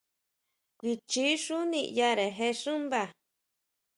Kuichi xú niyare je xúmba?